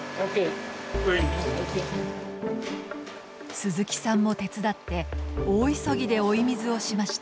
鈴木さんも手伝って大急ぎで追い水をしました。